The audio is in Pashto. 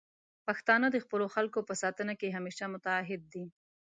پښتانه د خپلو خلکو په ساتنه کې همیشه متعهد دي.